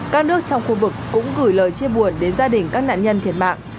các nước trong khu vực cũng gửi lời chia buồn đến gia đình các nạn nhân thiệt mạng